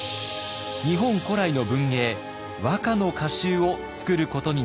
日本古来の文芸和歌の歌集を作ることになったのです。